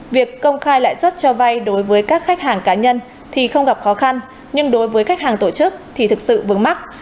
việc công khai lãi suất cho vay đối với các khách hàng cá nhân thì không gặp khó khăn nhưng đối với khách hàng tổ chức thì thực sự vướng mắt